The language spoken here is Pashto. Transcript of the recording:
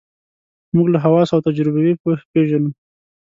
موږ له حواسو او تجربوي پوهې پېژنو.